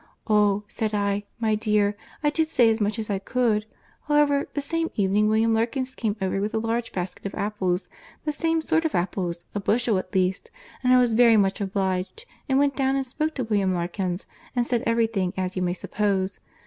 Oh, said I, my dear, I did say as much as I could. However, the very same evening William Larkins came over with a large basket of apples, the same sort of apples, a bushel at least, and I was very much obliged, and went down and spoke to William Larkins and said every thing, as you may suppose.